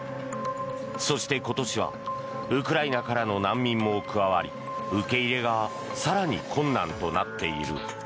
そして今年はウクライナからの難民も加わり受け入れが更に困難となっている。